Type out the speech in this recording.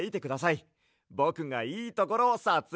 ぼくがいいところをさつえいしますんで！